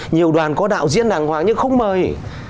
nhiều đoàn có đạo diễn đàng hoàng nhưng không mời